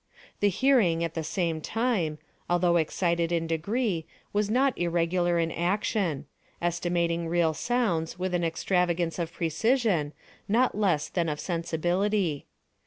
The hearing, at the same time, although excited in degree, was not irregular in action—estimating real sounds with an extravagance of precision, not less than of sensibility.